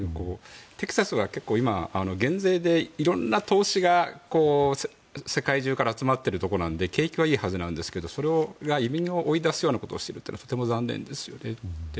テキサスは減税で今いろいろな投資が世界中から集まっているところなんで景気はいいはずなんですけどそれが移民を追い出すようなことをするというのはとても残念ですよね。